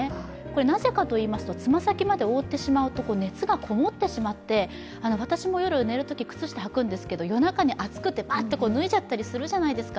なぜかといいますとつま先まで覆ってしまうと熱が籠もってしまって、私も夜、寝るとき靴下を履くんですけど夜中に熱くて、ばっと脱いじゃったりするじゃないですか。